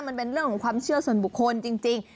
มันเป็นเรื่องของความเชื่อส่วนบุคคลจริง